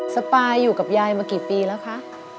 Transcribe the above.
สปายอยู่กับยายมากี่ปีแล้วคะ